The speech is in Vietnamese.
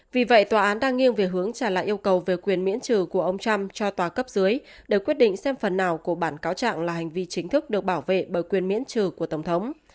vì vậy tòa án đang nghiêng về hướng trả lại yêu cầu về quyền miễn trừ của ông trump cho tòa cấp dưới để quyết định xem phần nào của bản cáo trạng là hành vi chính thức được bảo vệ bởi quyền miễn trừ của tổng thống